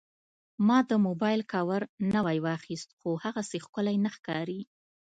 ما د موبایل کاور نوی واخیست، خو هغسې ښکلی نه ښکاري.